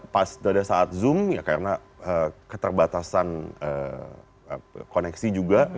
pas ada saat zoom ya karena keterbatasan koneksi juga